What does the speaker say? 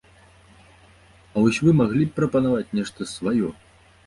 А вось вы маглі б прапанаваць нешта сваё?